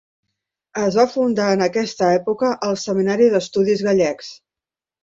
Es va fundar en aquesta època el Seminari d'Estudis Gallecs.